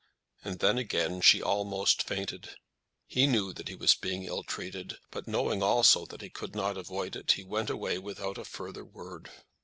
and then, again, she almost fainted. He knew that he was being ill treated, but knowing, also, that he could not avoid it, he went away without a further word.